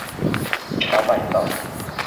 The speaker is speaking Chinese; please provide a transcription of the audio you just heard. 茶百道